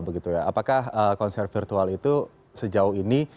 apakah konser virtual itu sejauh ini